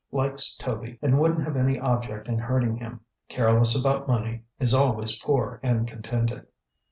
Likes Toby and wouldn't have any object in hurting him; careless about money; is always poor and contented.